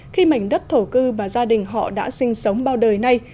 khi mảnh đất thổ cư và gia đình họ đã sinh sống bao đời nay